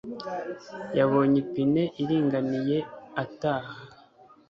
Yabonye ipine iringaniye ataha